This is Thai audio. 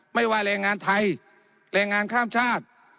ไม่ว่าแรงงานไทยแรงงานข้ามชาติ